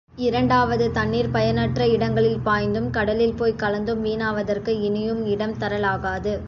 இரண்டாவது தண்ணீர் பயனற்ற இடங்களில் பாய்ந்தும் கடலில் போய்க் கலந்தும் வீணாவதற்கு இனியும் இடம் தர லாகாது.